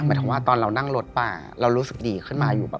ถึงว่าตอนเรานั่งรถป่าเรารู้สึกดีขึ้นมาอยู่ป่